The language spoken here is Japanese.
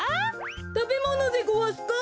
たべものでごわすか？